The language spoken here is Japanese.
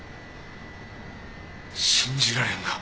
信じられんが。